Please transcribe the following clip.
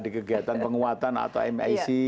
di kegiatan penguatan atau mic